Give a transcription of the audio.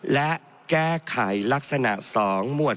และแก้ไขลักษณะ๒หมวด